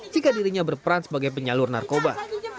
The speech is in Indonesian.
jika dirinya berperan sebagai penyalur narkoba